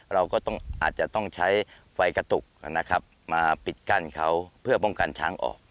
เราก็ต้องอาจจะต้องใช้ไฟกระตุกนะครับมาปิดกั้นเขาเพื่อป้องกันช้างออก